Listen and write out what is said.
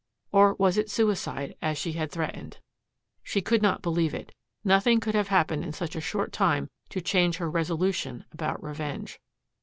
Or was it suicide, as she had threatened? She could not believe it. Nothing could have happened in such a short time to change her resolution about revenge.